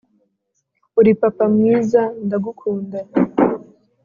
uri papa mwiza ndagukunda.